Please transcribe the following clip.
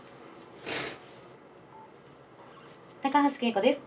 高橋佳子です。